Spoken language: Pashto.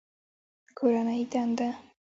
کورنۍ دنده